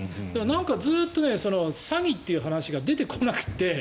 ずっと詐欺という話が出てこなくて。